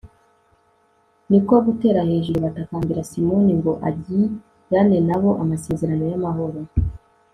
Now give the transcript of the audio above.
ni ko gutera hejuru, batakambira simoni ngo agirane na bo amasezerano y'amahoro